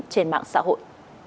trên mạng xã hội